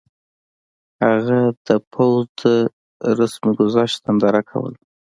هغه د پوځ د رسم ګذشت ننداره کوله.